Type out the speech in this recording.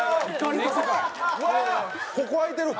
ここ開いてる！